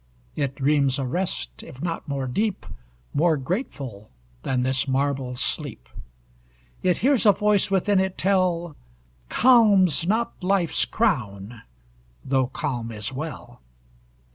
It dreams a rest, if not more deep, More grateful than this marble sleep; It hears a voice within it tell: _Calms not life's crown, though calm is well.